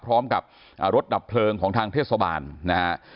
พร้อมกับรถดับเพลิงของทางเทศบาลนะฮะ